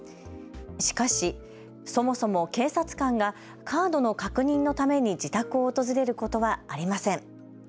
しかし、そもそも警察官がカードの確認のために自宅を訪れることはありません。